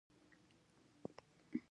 دوی له ځان سره ویدي کلتور راوړ.